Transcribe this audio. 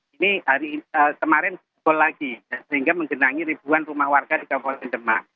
ini hari kemarin pukul lagi sehingga menggenangi ribuan rumah warga di kabupaten demak